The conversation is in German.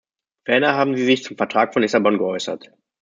Ferner haben Sie sich zum Vertrag von Lissabon geäußert.